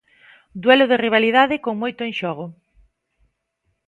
Duelo de rivalidade con moito en xogo.